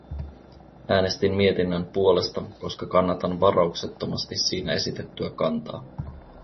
Äänestin mietinnön puolesta, koska kannatan varauksettomasti siinä esitettyä kantaa.